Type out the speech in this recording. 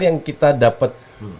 yang kita dapat